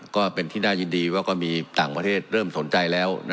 ก็เป็นที่น่ายินดีว่าก็มีต่างประเทศเริ่มสนใจแล้ว